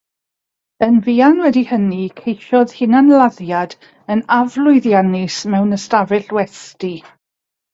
Yn fuan wedi hynny, ceisiodd hunanladdiad yn aflwyddiannus mewn ystafell westy.